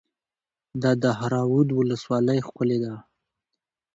د دهراوود ولسوالۍ ښکلې ده